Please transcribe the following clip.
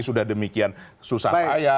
sudah demikian susah saya